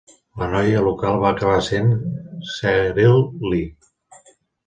La noia local va acabar sent Sheryl Lee.